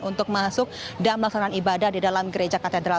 untuk masuk dan melaksanakan ibadah di dalam gereja katedral